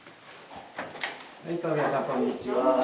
こんにちは。